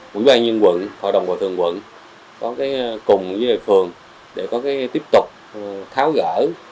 quỹ bay nhân quận hội đồng bồi thường quận có cái cùng với phường để có cái tiếp tục tháo gỡ